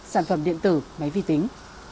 sản phẩm điện tử máy vi tính